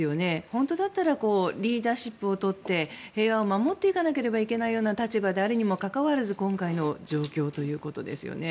本当だったらリーダーシップを取って平和を守っていかなければいけないような立場であるにもかかわらず今回の状況ということですよね。